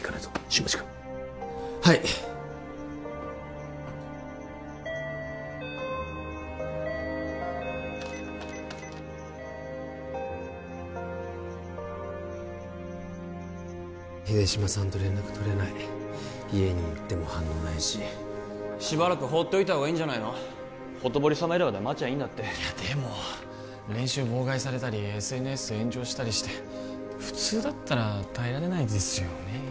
新町君はい秀島さんと連絡とれない家に行っても反応ないししばらく放っておいたほうがいいんじゃないのほとぼり冷めるまで待ちゃいいんだっていやでも練習妨害されたりＳＮＳ炎上したりして普通だったら耐えられないですよね